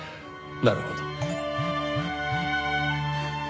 なるほど。